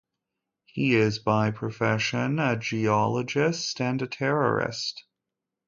He is by profession a geologist and a terrorist.